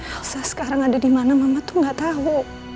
aksa sekarang ada di mana mama tuh gak tahu